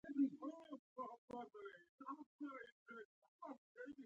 ایا ستاسو روزي به پراخه شي؟